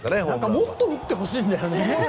もっと打ってほしいんだよね。